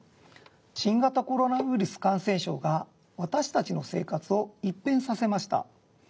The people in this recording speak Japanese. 新型コロナウイルス感染症が私たちの生活を一変させました。